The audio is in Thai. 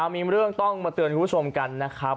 มีเรื่องเตือนให้คุณผู้ชมกันนะครับ